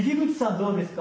どうですか？